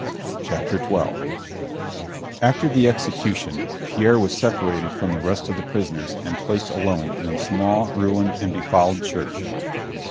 CHAPTER XII After the execution Pierre was separated from the rest of the prisoners and placed alone in a small, ruined, and befouled church.